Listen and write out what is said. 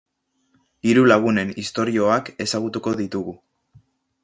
Hiru lagunen istorioak ezagutuko ditugu.